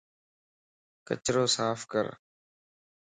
ڪچرو صاف ڪر